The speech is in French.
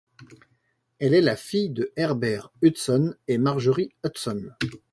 Elle est la fille de Herbert Hudson et Marjorie Hudson.